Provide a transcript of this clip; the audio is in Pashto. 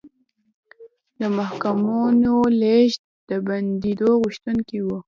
د محکومینو لېږد د بندېدو غوښتونکي وو.